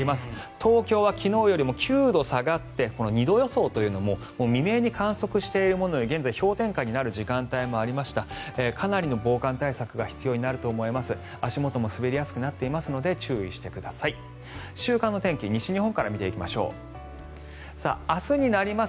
東京は昨日よりも９度下がって２度予想というのも未明に観測しているものより現在氷点下になる時間帯もありましてかなりの防寒対策が必要になると思います。